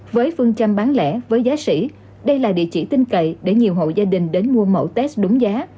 với phương châm bán lẻ với giá sĩ đây là địa chỉ tin cậy để nhiều hộ gia đình đến mua mẫu test đúng giá